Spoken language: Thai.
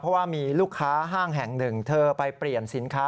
เพราะว่ามีลูกค้าห้างแห่งหนึ่งเธอไปเปลี่ยนสินค้า